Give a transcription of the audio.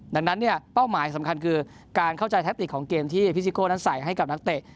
ดังนั้นเนี่ยเป้าหมายสำคัญคือการเข้าใจแทคติกของเกมที่พิซิโก้นั้นใส่ให้กับนักเตะ